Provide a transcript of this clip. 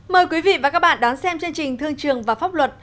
mời quý vị và các bạn đón xem chương trình thương trường và pháp luật